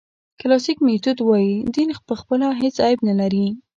کلاسیک میتود وایي دین پخپله هېڅ عیب نه لري.